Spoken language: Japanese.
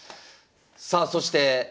さあそして。